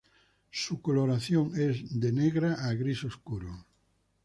Su coloración es negra a gris oscuro.